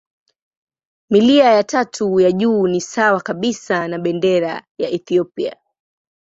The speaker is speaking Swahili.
Milia ya tatu ya juu ni sawa kabisa na bendera ya Ethiopia.